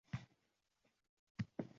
Oq chorloqlar qichqirar chanqoq